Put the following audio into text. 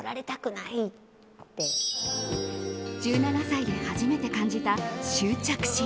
１７歳で初めて感じた執着心。